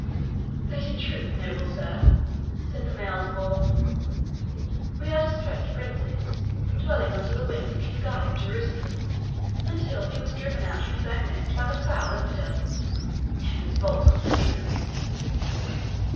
"But in truth, noble sir," said the male, "we are distressed princes, dwelling under the wing of King Guy of Jerusalem, until he was driven out from his own nest by the foul infidels Heaven's bolts consume them!"